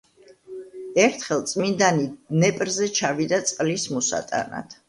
ერთხელ წმინდანი დნეპრზე ჩავიდა წყლის მოსატანად.